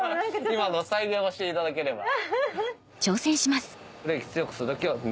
今の再現をしていただければ。